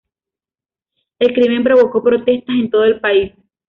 El crimen provocó protestas en todo el país.